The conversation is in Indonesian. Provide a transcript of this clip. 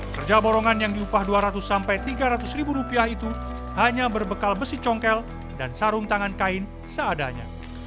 kerja borongan yang diupah dua ratus sampai tiga ratus ribu rupiah itu hanya berbekal besi congkel dan sarung tangan kain seadanya